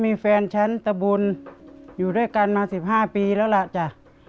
มีแฟนชั้นตะบุญอยู่ด้วยกันมา๑๕ปีแล้วล่ะจ้ะ